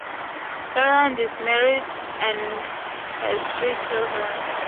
Ireland is married and has three children.